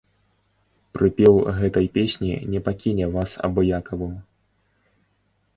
Прыпеў гэтай песні не пакіне вас абыякавым.